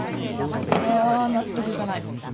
ああ納得いかない。